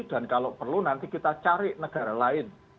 dan kalau perlu nanti kita cari negara lain